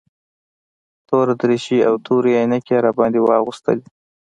توره دريشي او تورې عينکې يې راباندې واغوستلې.